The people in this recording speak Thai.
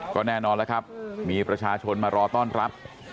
ครับมีประชาชนมารอต้อนรับ